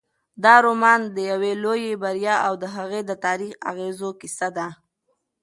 دا رومان د یوې لویې بریا او د هغې د تاریخي اغېزو کیسه ده.